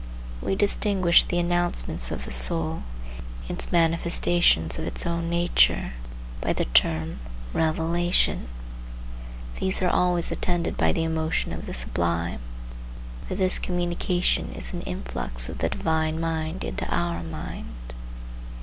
We distinguish the announcements of the soul, its manifestations of its own nature, by the term Revelation. These are always attended by the emotion of the sublime. For this communication is an influx of the Divine mind into our mind.